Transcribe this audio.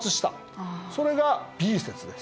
それがＢ説です。